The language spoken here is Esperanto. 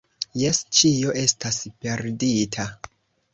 Jes, ĉio estas perdita.